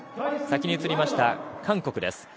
先に映りました韓国です。